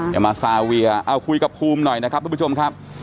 อย่ามาซาเวียเอาคุยกับภูมิหน่อยนะครับทุกผู้ชมครับ